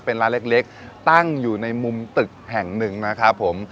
เป็นร้านเล็กตั้งอยู่ในมุมตึกแห่งหนึ่งนะครับผม